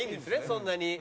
そんなに。